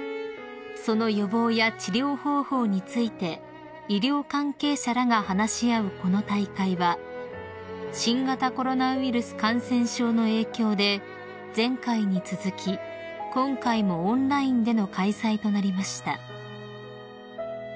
［その予防や治療方法について医療関係者らが話し合うこの大会は新型コロナウイルス感染症の影響で前回に続き今回もオンラインでの開催となりました］